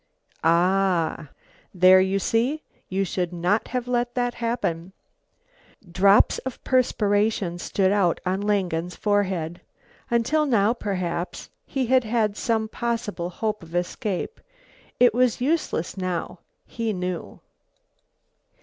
"Ah " "There, you see, you should not have let that happen." Drops of perspiration stood out on Langen's forehead. Until now, perhaps, he had had some possible hope of escape. It was useless now, he knew.